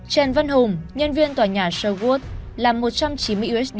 trần văn hùng nhân viên tòa nhà sherwood làm một trăm chín mươi usd